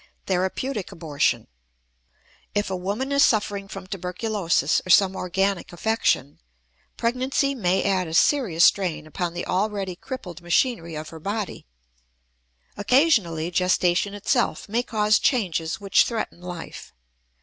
THERAPEUTIC ABORTION. If a woman is suffering from tuberculosis or some organic affection, pregnancy may add a serious strain upon the already crippled machinery of her body. Occasionally gestation itself may cause changes which threaten life.